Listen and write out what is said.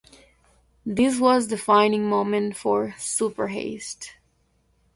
This was a defining moment for Supeheist.